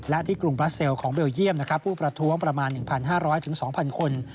และที่กรุงบราเซลของเบลเยี่ยมผู้ประท้วงประมาณ๑๕๐๐๒๐๐คน